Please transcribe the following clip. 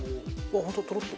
本当だトロッと。